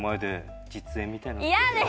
嫌です！